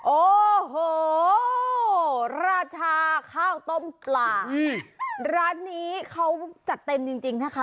โอ้โหราชาข้าวต้มปลาร้านนี้เขาจัดเต็มจริงจริงนะคะ